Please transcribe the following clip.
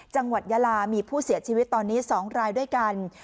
ยาลามีผู้เสียชีวิตตอนนี้๒รายด้วยกัน